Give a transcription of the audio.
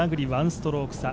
１ストローク差。